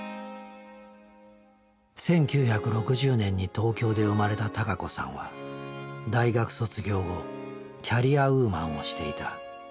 １９６０年に東京で生まれた孝子さんは大学卒業後キャリアウーマンをしていた。